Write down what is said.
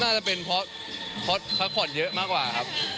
น่าจะเป็นเพราะพักผ่อนเยอะมากกว่าครับ